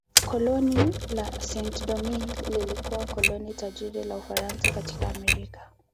Koloni la Saint-Domingue lilikuwa koloni tajiri la Ufaransa katika Amerika.